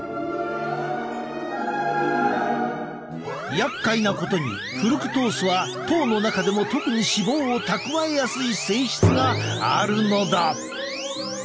やっかいなことにフルクトースは糖の中でも特に脂肪を蓄えやすい性質があるのだ。